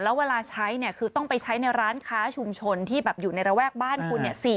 แล้วเวลาใช้เนี่ยคือต้องไปใช้ในร้านค้าชุมชนที่อยู่ในระแวกบ้านคุณ